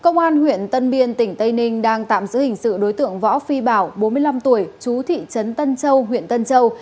công an huyện tân biên tỉnh tây ninh đang tạm giữ hình sự đối tượng võ phi bảo bốn mươi năm tuổi chú thị trấn tân châu huyện tân châu